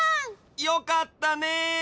よかったね！